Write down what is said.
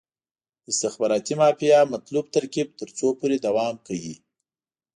د استخباراتي مافیا مطلوب ترکیب تر څو پورې دوام کوي.